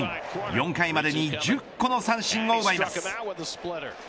４回までに１０個の三振を奪います。